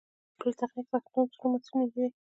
پولي تخنیک پوهنتون څومره محصلین لري؟